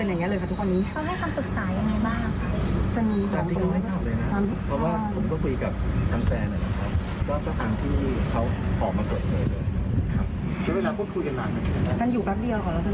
แรกก็เลยเป็นอย่างนี้เลยครับทุกคนนี้